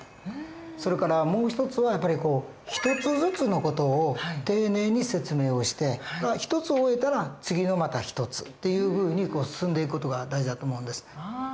それからもう一つは一つずつの事を丁寧に説明をして一つを終えたら次のまた一つっていうふうに進んでいく事が大事だと思うんです。